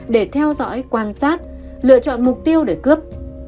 để theo dõi quan sát lựa chọn mục tiêu để cướp